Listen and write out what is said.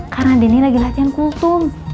karena denny lagi latihan kultum